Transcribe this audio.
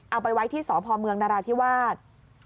เอาไปไว้ที่สพเมืองนราธิวาส